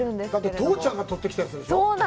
だって父ちゃんが取ってきたやつでしょう。